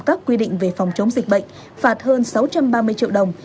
các quy định về phòng chống dịch bệnh phạt hơn sáu trăm ba mươi triệu đồng